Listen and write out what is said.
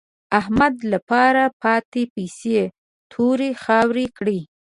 احمد له پاره پاتې پيسې تورې خاورې کړې.